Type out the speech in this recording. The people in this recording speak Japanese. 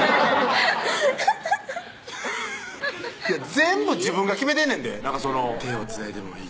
全部自分が決めてんねんで「手はつないでもいい」